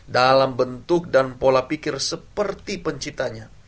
dalam bentuk dan pola pikir seperti penciptanya